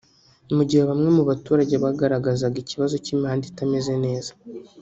Mu gihe bamwe mu baturage bagaragazaga ikibazo cy’imihanda itameze neza